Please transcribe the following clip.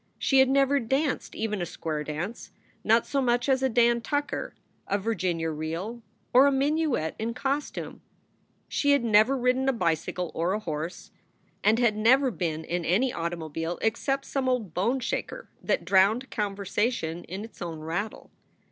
She had never danced even a square dance, not so much as a Dan Tucker, a Virginia reel, or a minuet in costume. She had never ridden a bicycle or a horse, and had never been in any automobile except some old bone shaker that drowned conversation in its own rattle.